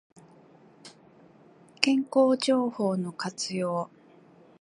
健康情報の活用